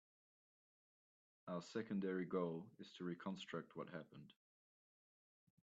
Our secondary goal is to reconstruct what happened.